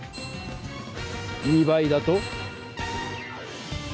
２倍だと？